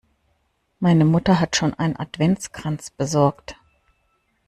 Meine Mutter hat schon einen Adventskranz besorgt.